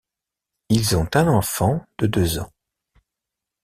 Ils ont un enfant de deux ans.